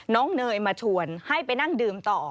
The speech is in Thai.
เนยมาชวนให้ไปนั่งดื่มต่อ